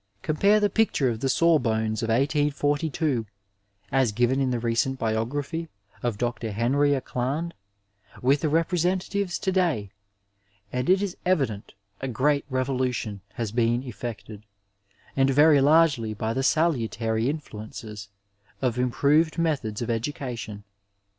Oompare the pictore of the '' sawbonee '' of 1842, as given in the recent biography of Sir Henry Acland, with the lepreeentatives to day» and it is evident a great revolution has been efiected, and veiy largely by the salutary influences of improved methods of education.